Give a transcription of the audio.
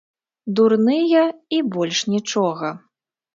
Дурныя, і больш нічога.